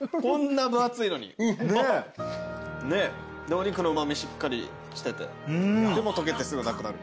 お肉のうま味しっかりしててでもとけてすぐなくなる。